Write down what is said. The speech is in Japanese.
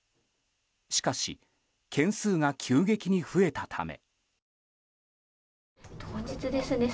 しかし件数が急激に増えたため。